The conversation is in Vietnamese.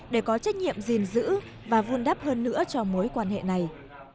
để có trách nhiệm gìn giữ và vun đắp hơn nữa cho mối quan hệ này